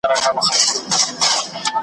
شات د انسان لپاره ګټور دي.